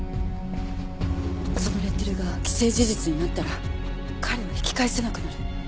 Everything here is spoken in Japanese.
そのレッテルが既成事実になったら彼は引き返せなくなる。